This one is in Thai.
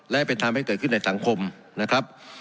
และเป็นทำให้เกิดขึ้นในสังคมนะครับ